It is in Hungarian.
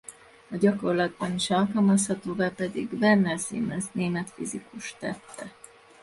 A gyakorlatban is alkalmazhatóvá pedig Werner Siemens német fizikus tette.